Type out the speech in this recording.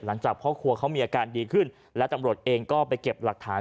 หลังจากพ่อครัวเขามีอาการดีขึ้นและตำรวจเองก็ไปเก็บหลักฐาน